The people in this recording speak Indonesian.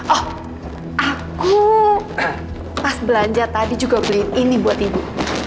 oh aku pas belanja tadi juga beli ini buat ibu